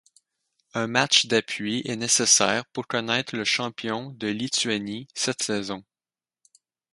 Un match d'appui est nécessaire pour connaître le champion de Lituanie cette saison.